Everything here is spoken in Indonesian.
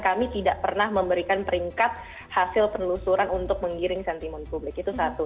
kami tidak pernah memberikan peringkat hasil penelusuran untuk menggiring sentimen publik itu satu